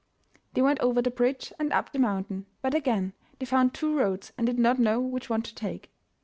They went over the bridge and up the mountain, but again they found two roads and did not know which one to take.